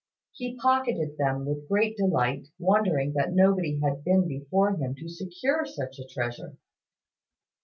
He pocketed them with great delight, wondering that nobody had been before him to secure such a treasure.